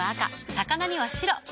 魚には白。